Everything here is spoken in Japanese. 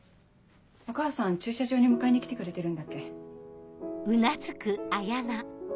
お母さん駐車場に迎えに来てくれてるんだっけ？